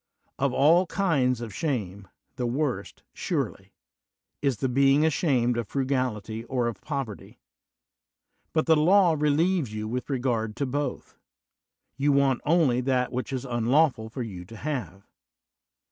Of all kinds of shame, the worst, surely, is the being ashamed of frugality or of poverty; but the law relieves you with regard to both; you want only that which it is unlawful for you to have.